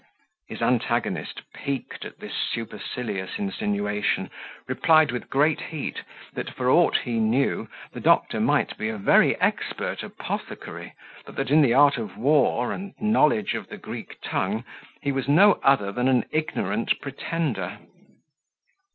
His antagonist, piqued at this supercilious insinuation, replied with great heat, that for aught he knew, the doctor might be a very expert apothecary, but that in the art of war, and knowledge of the Greek tongue, he was no other than an ignorant pretender.